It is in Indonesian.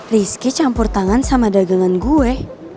rizky campur tangan sama dagangan gue